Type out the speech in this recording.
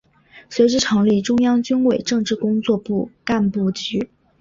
随之成立中央军委政治工作部干部局。